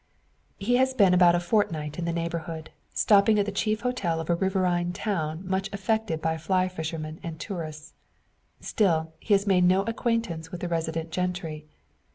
He has been about a fortnight in the neighbourhood, stopping at the chief hotel of a riverine town much affected by fly fishermen and tourists. Still, he has made no acquaintance with the resident gentry.